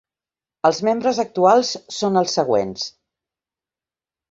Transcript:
Els membres actuals són els següents.